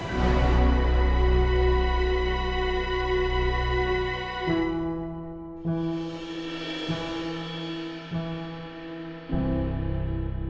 ya baiklah kak